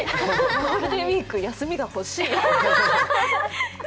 ゴールデンウイーク、休みが欲しい！